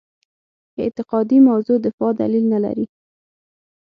اعتقادي موضع دفاع دلیل نه لري.